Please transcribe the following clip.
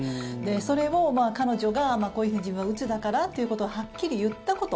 それを彼女がこういうふうに自分はうつだからということをはっきり言ったこと。